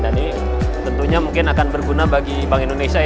jadi tentunya mungkin akan berguna bagi bank indonesia